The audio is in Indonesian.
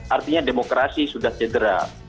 artinya demokrasi sudah cedera